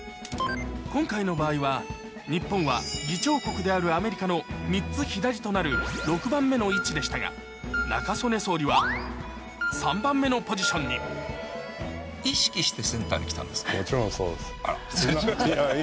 今回の場合は日本は議長国であるアメリカの３つ左となる６番目の位置でしたが中曽根総理は３番目のポジションに税金出してる。